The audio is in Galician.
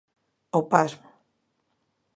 O pasmo.